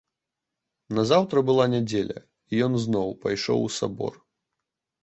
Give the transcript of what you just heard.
Назаўтра была нядзеля, і ён зноў пайшоў у сабор.